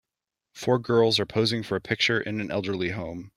Four girls are posing for a picture in an elderly home.